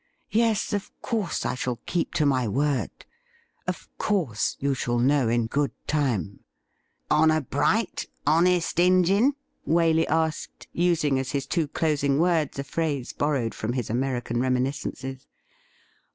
Yes, of course I shall keep to my word. Of course you shall know in good time.' 'Honour bright, honest Injin?' Waley asked, using as his two closing words a phrase borrowed from his American reminiscences.